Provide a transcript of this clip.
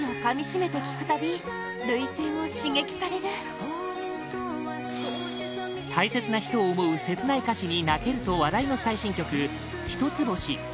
更に大切な人を想う切ない歌詞に泣けると話題の最新曲「ヒトツボシ」